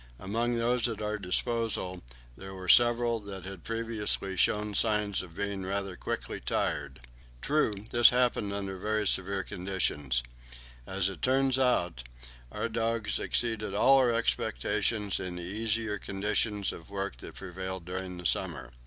Among those at our disposal there were several that had previously shown signs of being rather quickly tired. True, this happened under very severe conditions. As it turned out, our dogs exceeded all our expectations in the easier conditions of work that prevailed during the summer.